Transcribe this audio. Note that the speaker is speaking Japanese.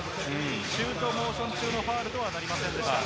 シュートモーション中のファウルとはなりませんでした。